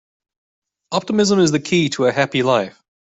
Optimism is the key to a happy life.